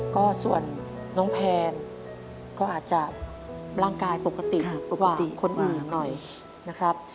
ก็ส่วนน้องแพนก็อาจจะร่างกายปกติคนอื่นหน่อยนะครับ